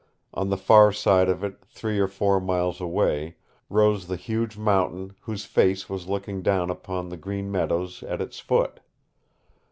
On the far side of it, three or four miles away, rose the huge mountain whose face was looking down upon the green meadows at its foot.